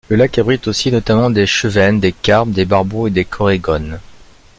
Le lac abrite aussi notamment des chevesnes, des carpes, des barbeaux et des corégones.